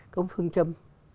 có một phương châm